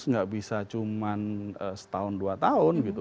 nggak bisa cuma setahun dua tahun gitu